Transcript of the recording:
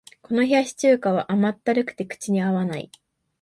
この冷やし中華は甘ったるくて口に合わない